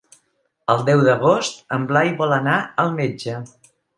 El deu d'agost en Blai vol anar al metge.